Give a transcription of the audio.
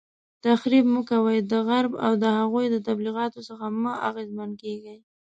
تخریب مه کوئ، د غرب او د هغوی د تبلیغاتو څخه مه اغیزمن کیږئ